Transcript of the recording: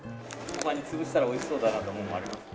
他に潰したらおいしそうだなと思うものあります？